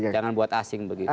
jangan buat asing begitu